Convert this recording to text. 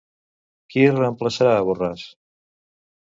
Qui reemplaçarà a Borràs?